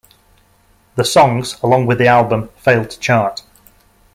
The songs, along with the album, failed to chart.